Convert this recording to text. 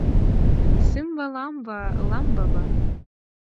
Сымба-ламба - лам-ба-ба